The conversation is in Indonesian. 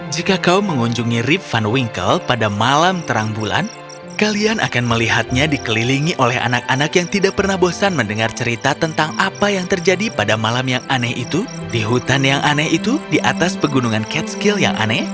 jika kau mengunjungi rifan wingkle pada malam terang bulan kalian akan melihatnya dikelilingi oleh anak anak yang tidak pernah bosan mendengar cerita tentang apa yang terjadi pada malam yang aneh itu di hutan yang aneh itu di atas pegunungan ket skill yang aneh